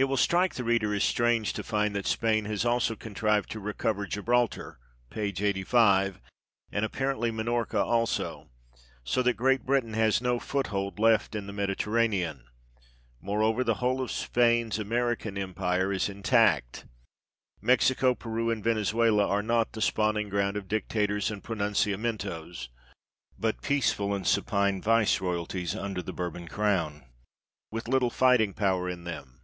It will strike the reader as strange to find that Spain has also contrived to recover Gibraltar (p. 85), and apparently Minorca also, so that Great Britain has no foothold left in the Mediterranean. Moreover, the whole of Spain's American empire is intact : Mexico, Peru, and Venezuela are not the spawning ground of dictators and Pronun ciamentos, but peaceful and supine viceroyalties under THE EDITOR'S PREFACE. xiii the Bourbon crown, with little fighting power in them.